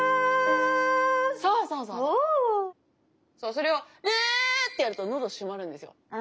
それをるってやると喉閉まるんですよ。